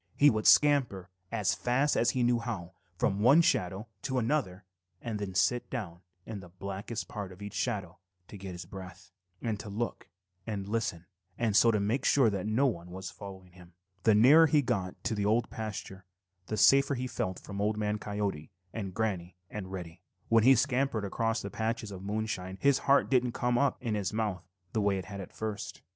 He would scamper as fast as he knew how from one shadow to another and then sit down in the blackest part of each shadow to get his breath, and to look and listen and so make sure that no one was following him. The nearer he got to the Old Pasture, the safer he felt from Old Man Coyote and Granny and Reddy Fox. When he scampered across the patches of moonshine his heart didn't come up in his mouth the way it had at first.